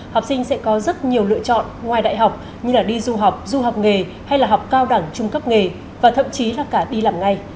học sinh sẽ có rất nhiều lựa chọn ngoài đại học như là đi du học du học nghề hay là học cao đẳng trung cấp nghề và thậm chí là cả đi làm ngay